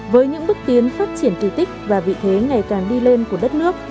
với những bước tiến phát triển kỳ tích và vị thế ngày càng đi lên của đất nước